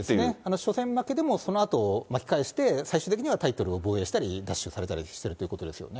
初戦負けでも、そのあと巻き返して、最終的にはタイトルを防衛したり、奪取されたりしてるということですよね。